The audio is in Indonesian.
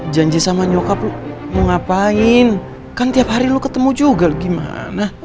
janji sama nyokap lo mau ngapain kan tiap hari lu ketemu juga lu gimana